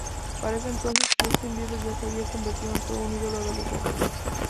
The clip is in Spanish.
Para ese entonces, Justin Bieber ya se había convertido en todo un ídolo adolescente.